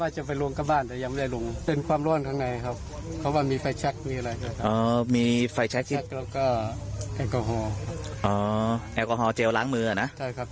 ใช่ครับเป็นกับน้ำ